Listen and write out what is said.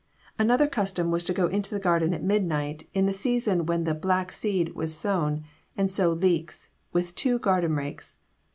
Another custom was to go into the garden at midnight, in the season when 'black seed' was sown, and sow leeks, with two garden rakes.